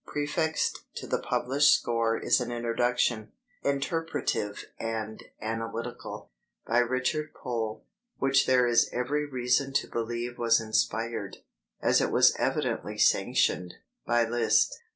Prefixed to the published score is an introduction, interpretative and analytical, by Richard Pohl, which there is every reason to believe was inspired, as it was evidently sanctioned, by Liszt.